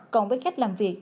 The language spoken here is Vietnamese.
còn với khách làm việc